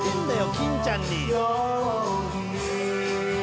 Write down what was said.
金ちゃんに。